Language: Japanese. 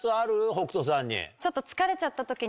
北斗さんに。